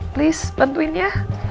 please bantuin ya